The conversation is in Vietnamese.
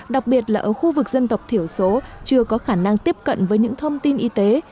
đặc biệt là ở khu vực dân tộc thiểu số chưa có khả năng tiếp cận với những thông tin y tế